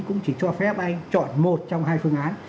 cũng chỉ cho phép anh chọn một trong hai phương án